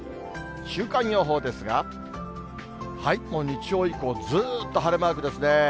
週間予報ですが、もう日曜以降、ずっと晴れマークですね。